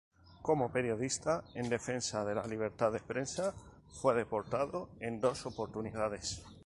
Como periodista, en defensa de la libertad de prensa, fue deportado en dos oportunidades.